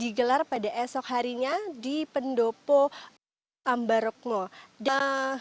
dikelar pada esok harinya di presiden jokowi dodo